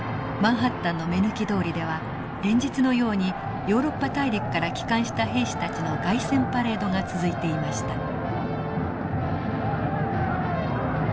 マンハッタンの目抜き通りでは連日のようにヨーロッパ大陸から帰還した兵士たちの凱旋パレードが続いていました。